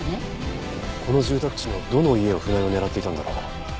この住宅地のどの家を船井は狙っていたんだろう？